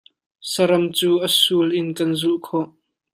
Saram cu a sul in kan zulh khawh.